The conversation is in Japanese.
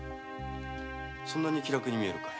そんなに気楽に見えるか？